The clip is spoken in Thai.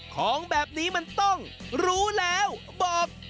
ของแบบนี้มันต้องรู้แล้วบอก